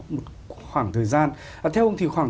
một khoảng thời gian theo ông thì khoảng